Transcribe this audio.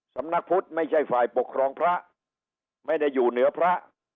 สำนักพุทธไม่ใช่ฝ่ายปกครองพระไม่ได้อยู่เหนือพระ